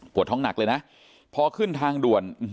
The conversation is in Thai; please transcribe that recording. ท้องหนักเลยนะพอขึ้นทางด่วน